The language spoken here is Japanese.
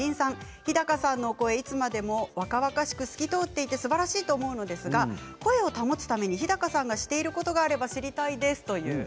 日高さんの声、いつまでも若々しく透き通っていてすばらしいと思うのですが声を保つために日高さんがしていることがあれば知りたいです。